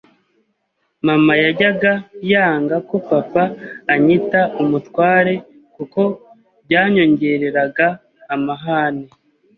Mama yajyaga yanga ko papa anyita umutware kuko byanyongereraga amahane,